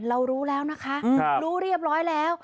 รู้แล้วนะคะรู้เรียบร้อยแล้ว